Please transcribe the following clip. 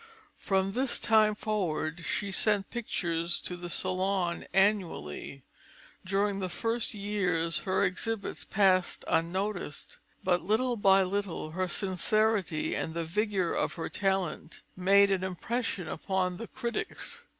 From this time forward, she sent pictures to the Salon annually. During the first years her exhibits passed unnoticed; but little by little her sincerity and the vigour of her talent made an impression upon the critics.